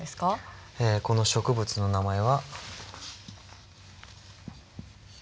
この植物の名前は。